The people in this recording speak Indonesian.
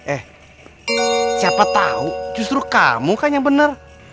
eh siapa tau justru kamu kan yang bener